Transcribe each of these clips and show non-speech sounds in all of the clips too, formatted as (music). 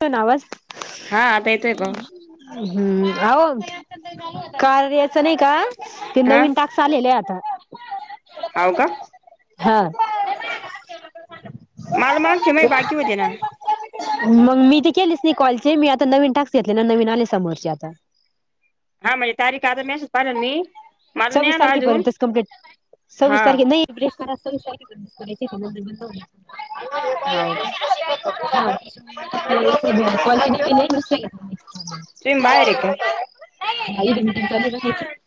पण आवाज हा आता येतोय बघ. हम् हम्म, आहो कार्याचं नाही का ते हा नवीन टाक चालेले आता. हाओ का? (unintelligible) मला मागचे मई बाकी होते ना. मग मी ते केलीच नाही कॉलचे, मी आता नवीन टाक्स घेतले ना नवीन आले समोरचे आता. हा म्हणजे तारीख आल नाही, मेसेज पाहिले न मी. मला नाही सव्वीस आला अजून तारखेपर्यंतच कंप्लीट, हा सव्वीस तारखे नाही. हाव का (unintelligible) (unintelligible) टीम बाहेर आहे काय? (unintelligible)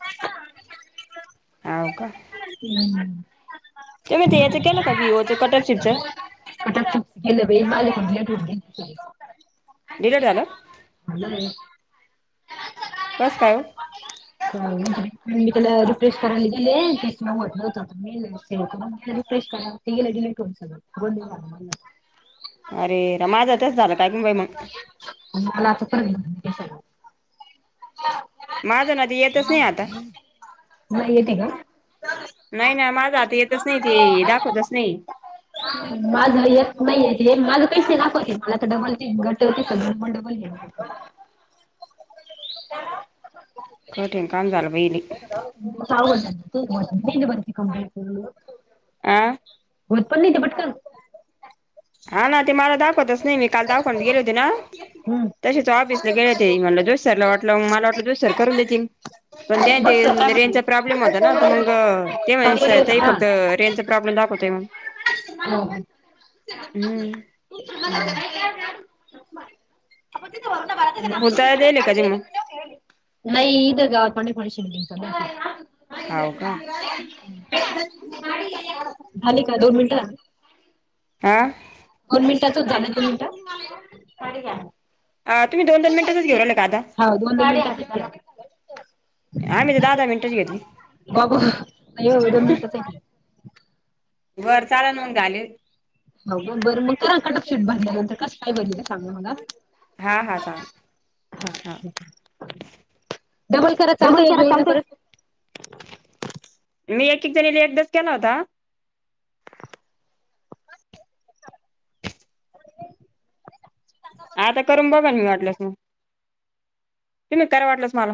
हवं का. हम्, ते ग ते हेच केलं का वीवोच कटरशिप च. (unintelligible) डिलेट झालं. (unintelligible) कस काय? ओ झालं का नाही म मी त्याला रिफ्रेश करायला गेले ते सुद्धा होत नव्हतं, मी म्हटलं सेव करून ते रिफ्रेश करावं. ती गेले डिलीट होउन सगळं, बोलली मला. अरे राम, माझ बी तसं झालं काय नू बाई मग? आणि मला आता परत सगळं, हा माझं ना ते येतचं नाही आता. नाही येते का? नाही ना माझा आता येतचं नाही ते दाखवतच नाही. माझ येत नाहीये ते, माझे पैशे दाखवते मला तर डबल घट होती सध म डबल घे (inaudible) कठीन काम झालं बाई हे. (inaudible) आं, होत पण नाही ते पटकन. हा ना ते मला दाखवतच नाही मी काल दवखान्यात गेले ते ना. हम्म. तशेच ऑफिसला गेले होते, म्हटलं जोशी सराला वाटलं म माला वाटलं जोशी सर करुन देतील. पण त्या बघ ते सर काय रेंज म्हणले चा प्रॉब्लेम होता ना मंग ते म्हणे काकोरी ताई हा फक्त रेंजचा प्रॉब्लेम दाखवतोय म्हणून. हो, हम्म. हो, हुं. (inaudible) खुलताय देल कधी मग नाही इथं गावा पाशी (unintelligible) हाव का झाली का, दोन मिनिट झाली? आ, दोन मिनिटाच झाली, दोन मिनिटं? आ, तुम्ही दोन दोन मिनिटचच घेऊ राहिला का आता? हा दोन दोन मिनिटाचच झालं आम्ही तर दहा- दहा मिनिटांची घेतली. बाबो एक दोन मिनिटांचे ये की बरं चालंन मग झाले. हो बरं मग भरल्यानंतर कसं काय भरलं सांग मला. हां, हां चालंल हा. डबल केला तर चालत एक जणीला परत? मी एक- एक जणीला एकदाच केला होता. आता करून बघा नी वाटल्यास मग, तुम्ही करा वाटल्यास मला.